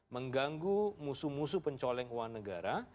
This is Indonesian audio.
mengganggu musuh musuh pencoleng uang negara